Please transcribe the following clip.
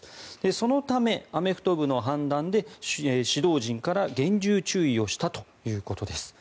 そのためアメフト部の判断で指導陣から厳重注意をしたということです。